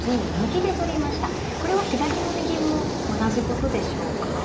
これは左も右も同じことでしょうか。